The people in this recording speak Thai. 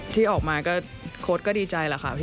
ที่ออกมาโค้ดก็ดีใจแหละค่ะ